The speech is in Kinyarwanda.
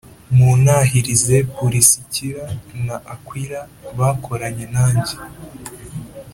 Muntahirize Purisikila na Akwila bakoranye nanjye